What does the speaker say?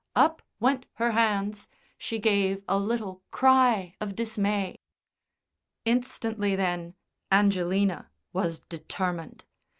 Up went her hands; she gave a little cry of dismay. Instantly, then, Angelina was determined.